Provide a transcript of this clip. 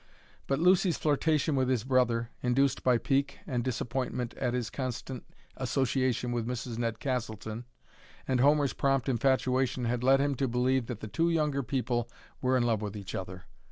But Lucy's flirtation with his brother, induced by pique and disappointment at his constant association with Mrs. Ned Castleton, and Homer's prompt infatuation had led him to believe that the two younger people were in love with each other.